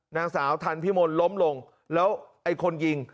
นางสาวทันพิมลล้มลงแล้วไอ้คนยิง